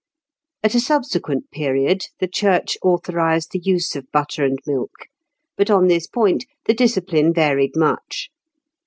At a subsequent period the Church authorised the use of butter and milk; but on this point, the discipline varied much.